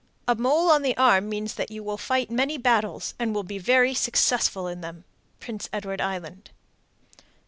A mole on the arm means that you will fight many battles, and will be very successful in them. _Prince Edward Island.